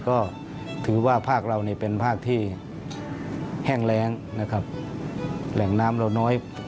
ก็ถือว่าภาคเรานี่เป็นภาคที่แห้งแรงนะครับแหล่งน้ำเราน้อย